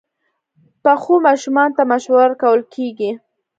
پخو ماشومانو ته مشوره ورکول کېږي